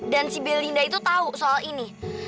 dan si belinda itu tau soal ini